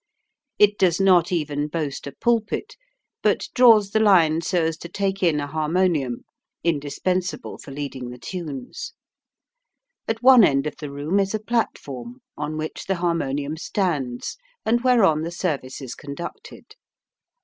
It does not even boast a pulpit, but draws the line so as to take in a harmonium, indispensable for leading the tunes. At one end of the room is a platform, on which the harmonium stands, and whereon the service is conducted.